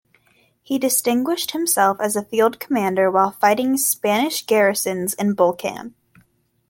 He distinguished himself as a field commander while fighting Spanish garrisons in Bulacan.